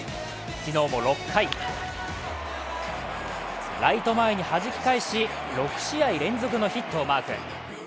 昨日も６回、ライト前にはじき返し６試合連続のヒットをマーク。